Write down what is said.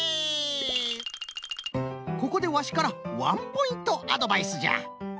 ここでワシからワンポイントアドバイスじゃ。